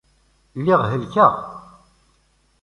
Lliɣ helkeɣ.